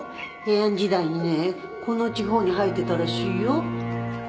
平安時代にねこの地方に生えてたらしいよ。